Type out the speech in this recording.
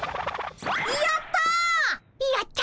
やった！